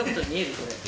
これ。